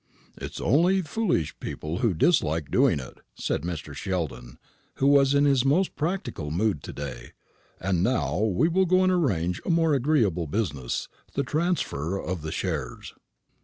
"It is only foolish people who dislike doing it," said Mr. Sheldon, who was in his most practical mood to day. "And now we will go and arrange a more agreeable business the transfer of the shares."